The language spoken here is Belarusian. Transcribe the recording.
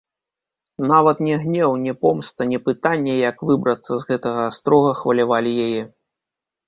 Нават не гнеў, не помста, не пытанне, як выбрацца з гэтага астрога, хвалявалі яе.